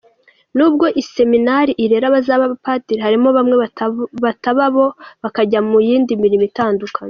Nubwo Iseminari irera abazaba Abapadiri, harimo bamwe bataba bo bakajya mu yindi mirimo itandukanye.